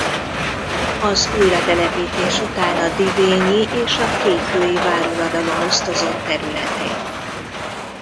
Az újratelepítés után a divényi és a kékkői váruradalom osztozott területén.